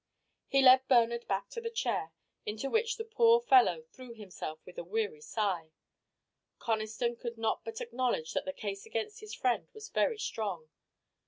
He led Bernard back to the chair, into which the poor fellow threw himself with a weary sigh. Conniston could not but acknowledge that the case against his friend was very strong.